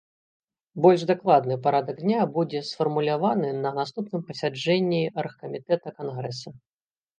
Больш дакладны парадак дня будзе сфармуляваны на наступным пасяджэнні аргкамітэта кангрэса.